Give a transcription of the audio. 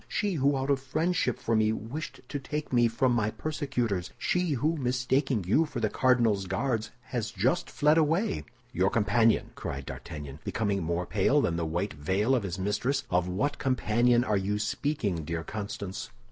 She who out of friendship for me wished to take me from my persecutors. She who, mistaking you for the cardinal's Guards, has just fled away." "Your companion!" cried D'Artagnan, becoming more pale than the white veil of his mistress. "Of what companion are you speaking, dear Constance?"